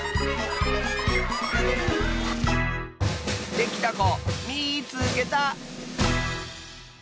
できたこみいつけた！